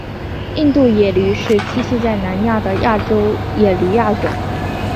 印度野驴是栖息在南亚的亚洲野驴亚种。